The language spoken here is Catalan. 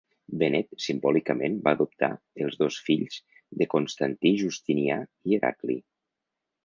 Benet simbòlicament va adoptar els dos fills de Constantí Justinià i Heracli.